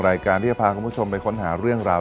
รายการที่จะพาคุณผู้ชมไปค้นหาเรื่องราว